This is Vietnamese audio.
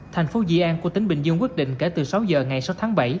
thành phố di an của tỉnh bình dương quyết định kể từ sáu giờ ngày sáu tháng bảy